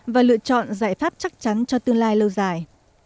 và lựa chọn giải pháp chắc chắn cho tương lai lâu dài